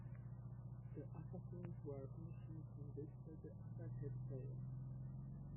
The assassins were initially convinced that the attack had failed.